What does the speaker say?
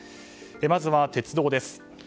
まずは鉄道です。